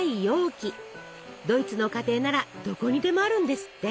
ドイツの家庭ならどこにでもあるんですって。